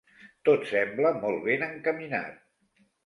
Tot sembla molt ben encaminat.